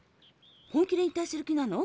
本気で引退する気なの？